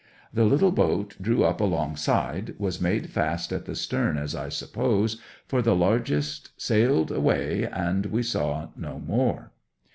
The little boat drew up alongside, was made fast at the stern as I suppose, for the largest sailed away, and we saw no more.